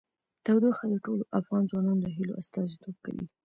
تودوخه د ټولو افغان ځوانانو د هیلو استازیتوب کوي.